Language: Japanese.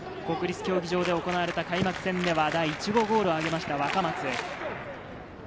国立競技場で行われた開幕戦では第１号ゴールを挙げました、若松。